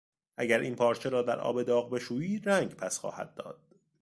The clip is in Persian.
اگر این پارچه را در آب داغ بشویی رنگ پس خواهد داد.